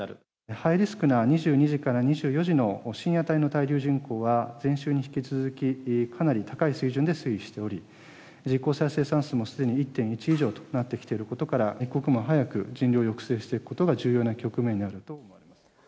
ハイリスクな２２時から２４時の深夜帯の滞留人口は、先週に引き続き、かなり高い水準で推移しており、実効再生産数もすでに１．１以上となってきていることから、一刻も早く、人流を抑制していくことが重要な局面にあると思われます。